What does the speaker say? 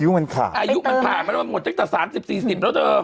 คิ้วมันขาดอายุมันผ่านมาแล้วหมดตั้งแต่สามสิบสี่สิบแล้วเถอะ